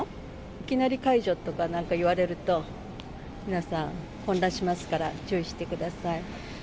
いきなり解除とかなんとかいわれると、皆さん、混乱しますから、注意してください。